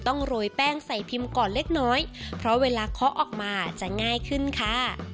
โรยแป้งใส่พิมพ์ก่อนเล็กน้อยเพราะเวลาเคาะออกมาจะง่ายขึ้นค่ะ